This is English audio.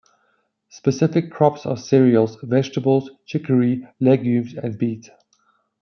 Specific crops are cereals, vegetables, chicory, legumes, and beet.